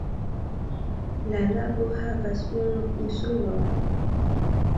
La lago havas unu insulon.